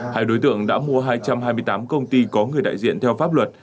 hai đối tượng đã mua hai trăm hai mươi tám công ty có người đại diện theo pháp luật